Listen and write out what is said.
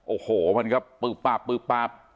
โอ้โหมันก็ปึ๊บปับ